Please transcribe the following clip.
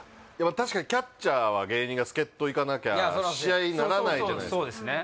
確かにキャッチャーは芸人が助っ人いかなきゃ試合にならないじゃないですかそうですね